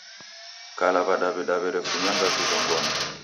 Kala w'adaw'da w'erefunyagha vizongona.